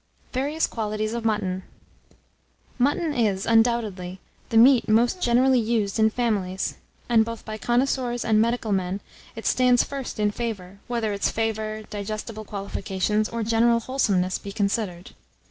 VARIOUS QUALITIES OF MUTTON Mutton is, undoubtedly, the meat most generally used in families; and, both by connoisseurs and medical men, it stands first in favour, whether its the favour, digestible qualifications, or general wholesomeness, be considered.